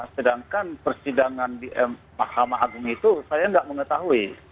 sedangkan persidangan di mahkamah agung itu saya tidak mengetahui